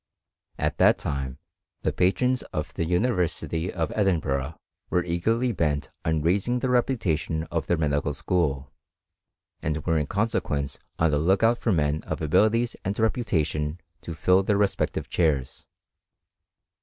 At that time the patrons of the University of Edin* bui^h were eagerly bent on raising the reputation of their medical school, and were in consequence on the look out for men of abilities and reputation to fill their respective chairs.